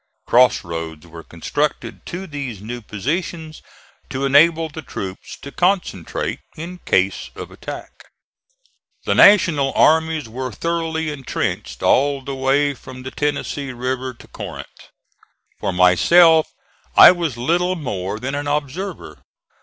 Cross roads were constructed to these new positions to enable the troops to concentrate in case of attack. The National armies were thoroughly intrenched all the way from the Tennessee River to Corinth. For myself I was little more than an observer.